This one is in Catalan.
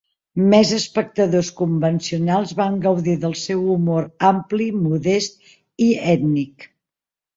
Més espectadors convencionals van gaudir del seu humor ampli, modest i ètnic.